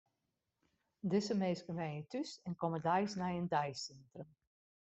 Dizze minsken wenje thús en komme deis nei it deisintrum.